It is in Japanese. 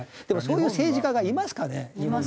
でもそういう政治家がいますかね？